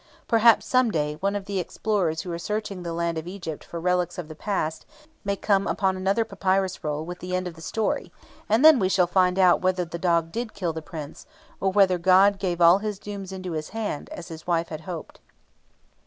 Perhaps, some day, one of the explorers who are searching the land of Egypt for relics of the past may come on another papyrus roll with the end of the story, and then we shall find out whether the dog did kill the Prince, or whether God gave all his dooms into his hand, as his wife hoped.